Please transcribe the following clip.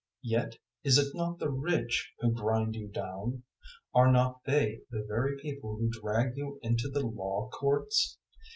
Yet is it not the rich who grind you down? Are not they the very people who drag you into the Law courts?